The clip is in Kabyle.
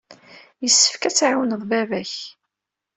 Yessefk ad tɛiwneḍ baba-k.